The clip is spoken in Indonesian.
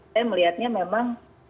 saya melihatnya memang